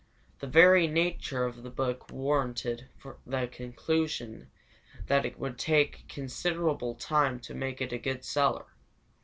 The very nature of the book warranted the conclusion that it would take considerable time to make it a good seller.